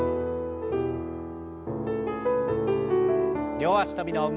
両脚跳びの運動。